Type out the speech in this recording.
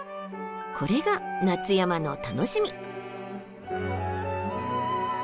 これが夏山の楽しみ！